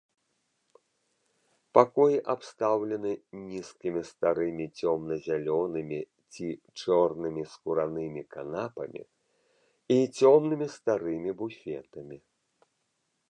Пакоі абстаўлены нізкімі старымі цёмна-зялёнымі ці чорнымі скуранымі канапамі і цёмнымі старымі буфетамі.